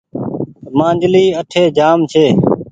مآنجلي اٺي جآم ڇي۔